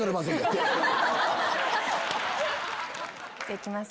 行きます。